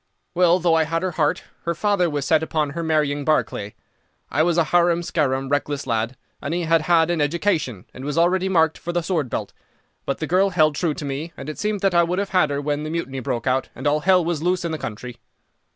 "Well, though I had her heart, her father was set upon her marrying Barclay. I was a harum scarum, reckless lad, and he had had an education, and was already marked for the sword belt. But the girl held true to me, and it seemed that I would have had her when the Mutiny broke out, and all hell was loose in the country.